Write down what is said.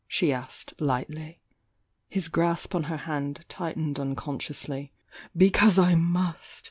she asked, lightly. His grasp on her hand tightened unconsciously. "Because I must!"